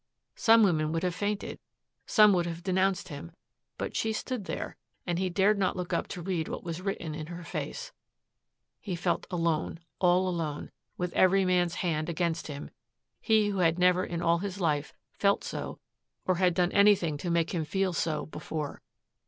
Some women would have fainted. Some would have denounced him. But she stood there and he dared not look up to read what was written in her face. He felt alone, all alone, with every man's hand against him, he who had never in all his life felt so or had done anything to make him feel so before.